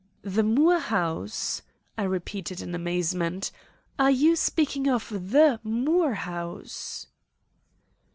"The Moore house?" I repeated in amazement. "Are you speaking of the Moore house?"